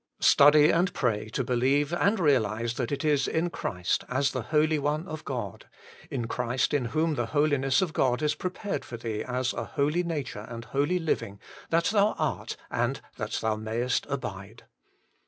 Study and pray to believe and realize that it is in Christ as the Holy One of God, in Christ in whom the Holiness of God is prepared for thee as a holy nature and holy living, that thou art, and that thou mayest abide.